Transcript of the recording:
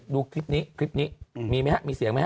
ดูคลิปนี้คลิปนี้มีไหมฮะมีเสียงไหมฮ